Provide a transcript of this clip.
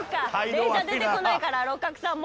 電車出てこないから六角さんも。